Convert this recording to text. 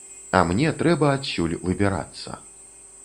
А мне трэба адсюль выбірацца.